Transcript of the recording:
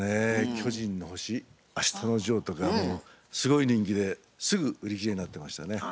「巨人の星」「あしたのジョー」とかはもうすごい人気ですぐ売り切れになってましたね。